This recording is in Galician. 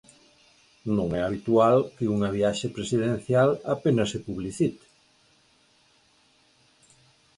Non é habitual que unha viaxe presidencial apenas se publicite.